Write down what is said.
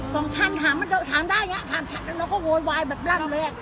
สองท่านถามได้อย่างนี้ถามแล้วเราก็โหยวายแบบร่างแรง